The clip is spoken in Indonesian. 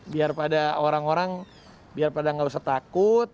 biar pada orang orang biar pada nggak usah takut